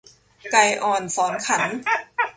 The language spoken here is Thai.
ไก่อ่อนสอนขัน